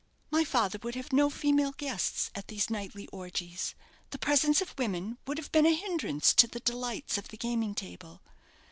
My father would have no female guests at these nightly orgies. The presence of women would have been a hindrance to the delights of the gaming table.